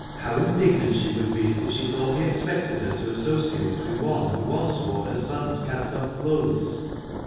How indignant she would be if she thought we expected her to associate with one who once wore her son's cast off clothes